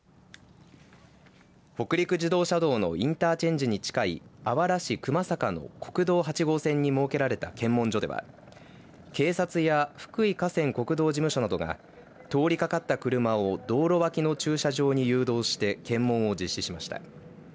北陸自動車道のインターチェンジに近いあわら市熊坂の国道８号線に設けられた検問所では警察や福井河川国道事務所などが通りかかった車を道路脇の駐車場に誘導して検問を実施しました。